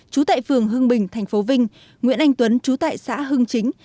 chú tại phường hưng bình thành phố vinh nguyễn anh tuấn chú tại xã hưng chính